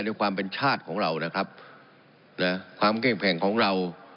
ในความเป็นชาติของเรานะครับนะความเข้มแข็งของเรา